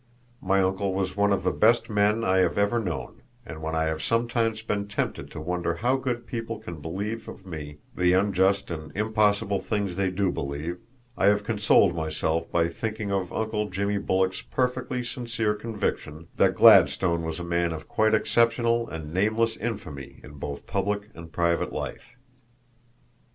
My uncle was one of the best men I have ever known, and when I have sometimes been tempted to wonder how good people can believe of me the unjust and impossible things they do believe, I have consoled myself by thinking of Uncle Jimmy Bulloch's perfectly sincere conviction that Gladstone was a man of quite exceptional and nameless infamy in both public and private life.